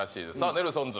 ネルソンズ